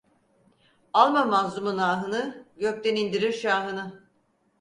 Alma mazlumun ahını, gökden indirir şahını.